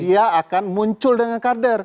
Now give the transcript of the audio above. dia akan muncul dengan kader